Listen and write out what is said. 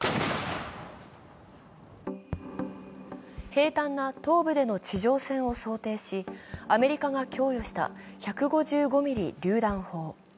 平たんな東部での地上戦を想定し、アメリカが供与した１５５ｍｍりゅう弾砲。